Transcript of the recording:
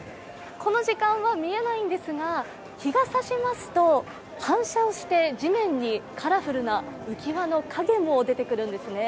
この時間は見えないんですが、日が差しますと反射して、地面にカラフルな浮き輪の影も出てくるんですね。